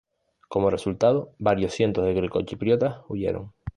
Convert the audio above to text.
Como resultado, varios cientos de grecochipriotas huyeron.